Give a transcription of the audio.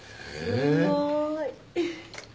すごい。